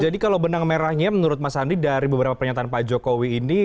jadi kalau benang merahnya menurut mas andi dari beberapa pernyataan pak jokowi ini